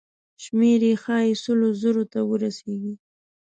شمېر یې ښایي سلو زرو ته ورسیږي.